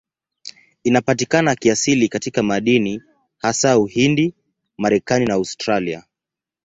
Inapatikana kiasili katika madini, hasa Uhindi, Marekani na Australia.